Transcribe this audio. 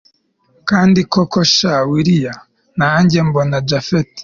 kandi koko sha willia, nanjye mbona japhet